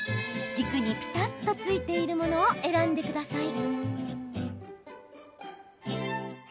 軸にぴたっとついているものを選んでください。